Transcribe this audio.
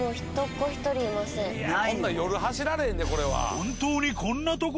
こんなん夜走られへんで。